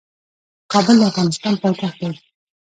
کابل د افغانستان پايتخت دي.